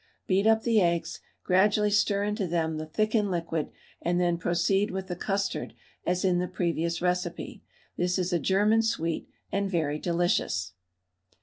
Beat up the eggs, gradually stir into them the thickened liquid, and then proceed with the custard as in the previous recipe. This is a German sweet, and very delicious.